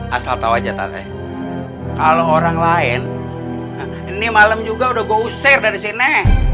asal tahu aja tante kalau orang lain ini malam juga udah gosir dari sini